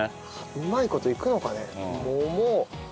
うまい事いくのかね？